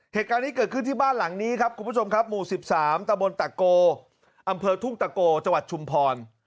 เหตุการณ์นี้เกิดขึ้นที่บ้านหลังนี้ครับคุณผู้ชมครับหมู่๑๓ตะบนตะโกอำเภอทุ่งตะโกจังหวัดชุมพร